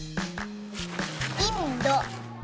インド。